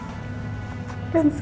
mama akan lebih nyesal